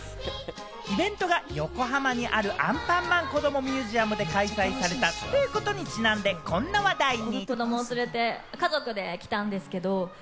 イベントが、横浜にあるアンパンマンこどもミュージアムで開かれたということにちなんで、こんな話題に。